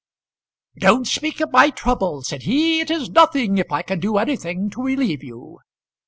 "Don't speak of my trouble," said he, "it is nothing if I can do anything to relieve you."